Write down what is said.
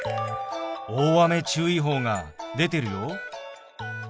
大雨注意報が出てるよ。